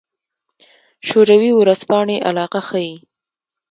شوروي ورځپاڼې علاقه ښيي.